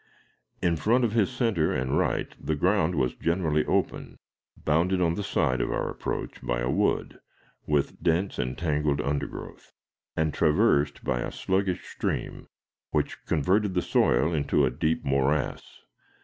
In front of his center and right the ground was generally open, bounded on the side of our approach by a wood, with dense and tangled undergrowth, and traversed by a sluggish stream, which converted the soil into a deep morass.